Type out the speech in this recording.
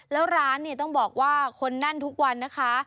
แล้วร้านเนี่ยต้องบอกว่าคนแน่นทุกวันนะคะ